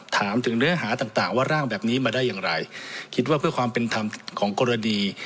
ถามถึงเนื้อหาต่างต่างว่าร่างแบบนี้มาได้อย่างไรคิดว่าเพื่อความเป็นธรรมของกรณี